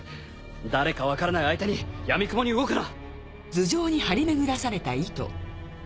誰かわからない相手にやみくもに動くな！